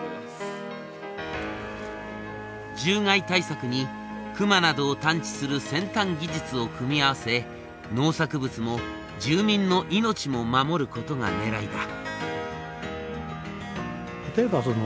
獣害対策にクマなどを探知する先端技術を組み合わせ農作物も住民の命も守ることがねらいだ。